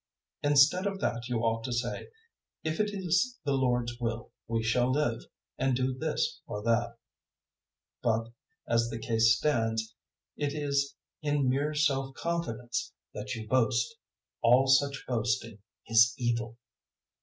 004:015 Instead of that you ought to say, "If it is the Lord's will, we shall live and do this or that." 004:016 But, as the case stands, it is in mere self confidence that you boast: all such boasting is evil.